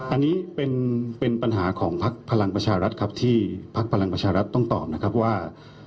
อันนี้เป็นปัญหาของพักพลังประชารัฐครับที่พักพลังประชารัฐต้องตอบนะครับว่า